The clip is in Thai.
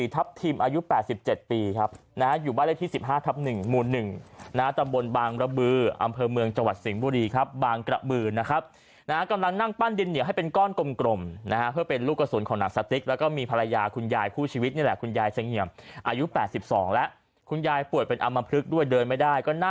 ทัพทิมอายุ๘๗ปีครับนะฮะอยู่บ้านเลขที่๑๕ทับ๑หมู่๑นะตำบลบางระบืออำเภอเมืองจังหวัดสิงห์บุรีครับบางกระบือนะครับนะกำลังนั่งปั้นดินเหนียวให้เป็นก้อนกลมนะฮะเพื่อเป็นลูกกระสุนของหนังสติ๊กแล้วก็มีภรรยาคุณยายคู่ชีวิตนี่แหละคุณยายเสงี่ยมอายุ๘๒แล้วคุณยายป่วยเป็นอำมพลึกด้วยเดินไม่ได้ก็น่า